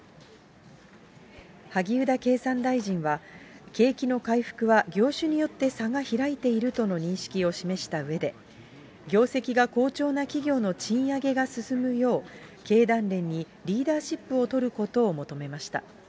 萩生田経産大臣は、景気の回復は業種によって差が開いているとの認識を示したうえで、業績が好調な企業の賃上げが進むよう、経団連にリーダーシップを取ることを求めました。